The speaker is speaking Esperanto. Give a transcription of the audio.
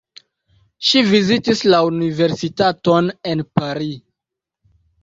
Ŝi vizitis la universitaton en Paris.